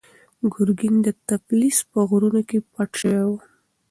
ګورګین د تفلیس په غرونو کې پټ شوی و.